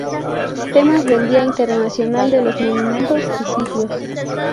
Temas del Día Internacional de los Monumentos y Sitios